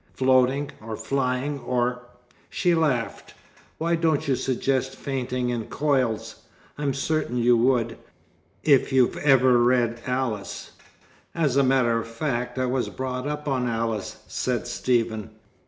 Floating or flying or " She laughed. "Why don't you suggest fainting in coils? I'm certain you would, if you'd ever read 'Alice.'" "As a matter of fact, I was brought up on 'Alice,'" said Stephen.